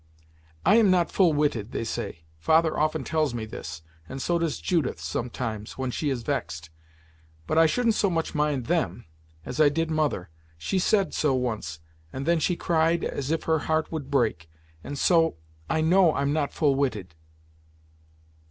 "I am not full witted, they say. Father often tells me this; and so does Judith, sometimes, when she is vexed; but I shouldn't so much mind them, as I did mother. She said so once and then she cried as if her heart would break; and, so, I know I'm not full witted."